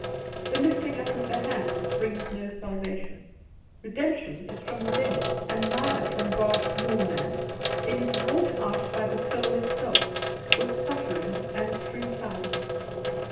The lifting up of the hands brings no salvation; redemption is from within, and neither from God nor man; it is wrought out by the soul itself, with suffering and through time.